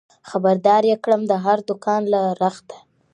خبر دار يې کړم د هر دوکان له رخته